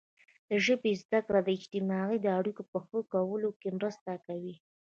د ژبې زده کړه د اجتماعي اړیکو په ښه کولو کې مرسته کوي.